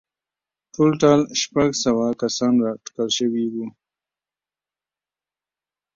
ټولټال شپږ سوه کسان اټکل شوي وو